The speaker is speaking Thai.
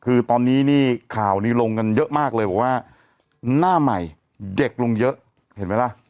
คือตอนนี้นี่ข่าวนี้ลงกันเยอะมากเลยบอกว่าหน้าใหม่เด็กลงเยอะเห็นไหมล่ะ